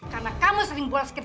karena kamu sering bolos kerja